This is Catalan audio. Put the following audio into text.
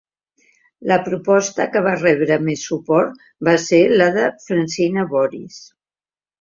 La proposta que va rebre més suport va ser la de Francina Boris.